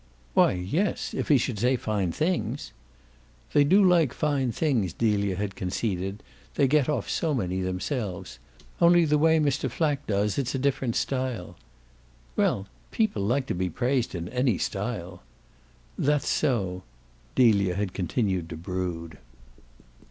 "Why, yes, if he should say fine things." "They do like fine things," Delia had conceded. "They get off so many themselves. Only the way Mr. Flack does it's a different style." "Well, people like to be praised in any style." "That's so," Delia had continued to brood.